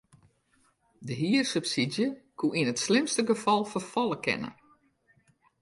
De hiersubsydzje soe yn it slimste gefal ferfalle kinne.